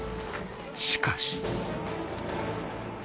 しかし